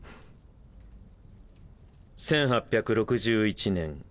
１８６１年。